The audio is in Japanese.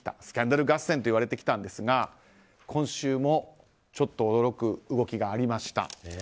スキャンダル合戦といわれてきたんですが今週もちょっと驚く動きがありました。